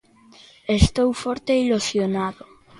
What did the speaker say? Estou forte e ilusionado.